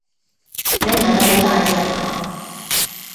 你唔係咁冇大志呀嘛？